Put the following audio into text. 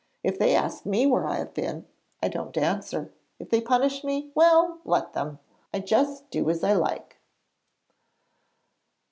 If they ask me where I have been, I don't answer. If they punish me well, let them! I just do as I like.'